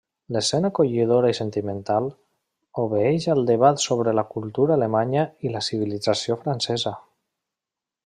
L'escena, acollidora i sentimental, obeeix al debat sobre la cultura alemanya i la civilització francesa.